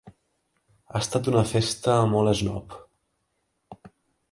Ha estat una festa molt esnob.